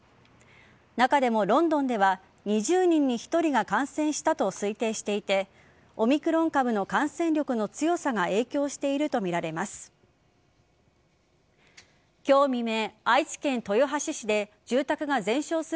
中でもロンドンでは２０人に１人が感染したと推定していてオミクロン株の感染力の強さが影響していると見られます。